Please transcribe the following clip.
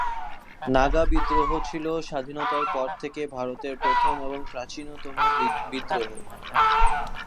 নাগা বিদ্রোহ ছিল স্বাধীনতার পর থেকে ভারতের প্রথম এবং প্রাচীনতম বিদ্রোহ।